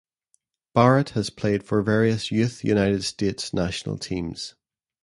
Barrett has played for various youth United States national teams.